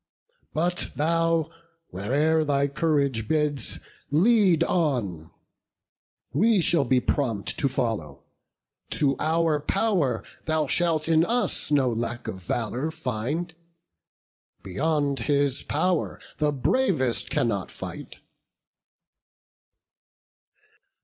But thou, where'er thy courage bids, lead on: We shall be prompt to follow; to our pow'r Thou shalt in us no lack of valour find; Beyond his pow'r the bravest cannot fight."